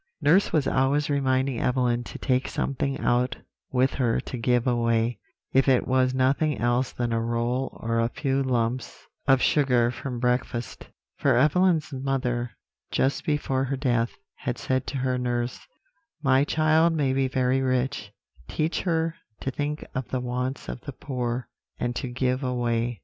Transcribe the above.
Nurse was always reminding Evelyn to take something out with her to give away; if it was nothing else than a roll or a few lumps of sugar from breakfast; for Evelyn's mother, just before her death, had said to her nurse: "'My child may be very rich, teach her to think of the wants of the poor, and to give away.'